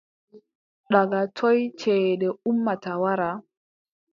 Daga toy ceede ummata wara ?